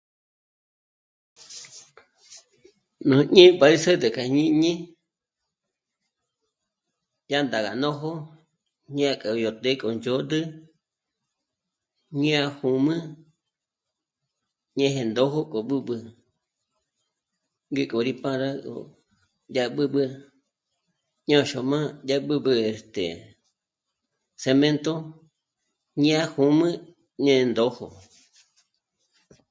Nù ñé'e pá 'ä̀s'äd'ü k'a jñíñi yá ndàga nójo ñâk'a yo ndé k'o ndzhôd'ü ñá jyǔmü ñéje ndó gó k'ö b'ǘb'ü ngéko rí para gó dyá b'ǘb'ü ña xö̀mü, dyá b'ǘb'ü este... cemento ñá jyǔmü ñé ndójo